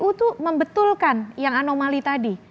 kpu itu membetulkan yang anomali tadi